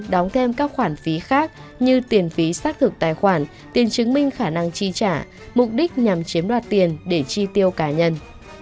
đóng thêm các khoản phí khác như tiền phí xác thực tài khoản tiền chứng minh khả năng chi trả mục đích nhằm chiếm đoạt tiền để chi tiêu cá nhân